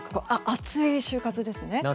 熱い就活ですね。